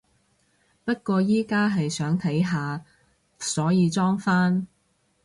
不過而家係想睇下，所以裝返